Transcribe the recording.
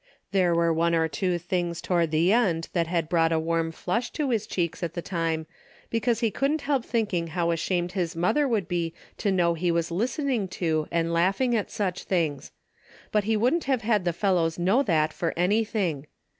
There were one or two things toward the end that had brought a warm flush to his cheeks at the time, be cause he couldn't help thinking how ashamed his mother would be to know he was listening to and laughing at such things. But he wouldn't have had the fellows know that for anything.